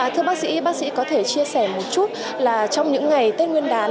thưa bác sĩ bác sĩ có thể chia sẻ một chút là trong những ngày tết nguyên đán